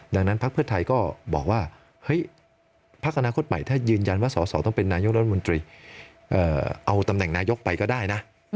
ดังนั้นพักเพื่อไทยก็บอกว่าเฮ้ยพักอนาคตใหม่ถ้ายืนยันว่าสอสอต้องเป็นนายกรัฐมนตรีเอาตำแหน่งนายกไปก็ได้นะ